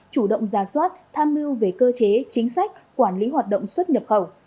chủ động ra soát tham mưu về cơ chế chính sách quản lý hoạt động xuất nhập khẩu